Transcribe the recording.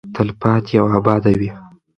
تلپاتې او اباده وي.